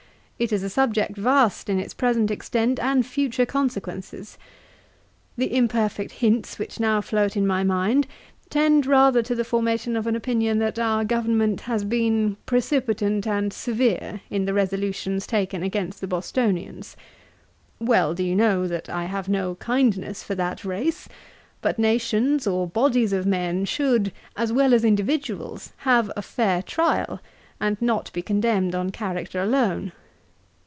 It is a subject vast in its present extent and future consequences. The imperfect hints which now float in my mind, tend rather to the formation of an opinion that our government has been precipitant and severe in the resolutions taken against the Bostonians. Well do you know that I have no kindness for that race. But nations, or bodies of men, should, as well as individuals, have a fair trial, and not be condemned on character alone.